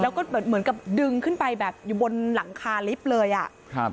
แล้วก็เหมือนเหมือนกับดึงขึ้นไปแบบอยู่บนหลังคาลิฟต์เลยอ่ะครับ